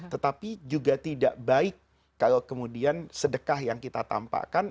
tetapi juga tidak baik kalau kemudian sedekah yang kita tampakkan